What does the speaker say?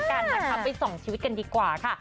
มาค่ะไปส่งชีวิตกันดีกว่าค่ะ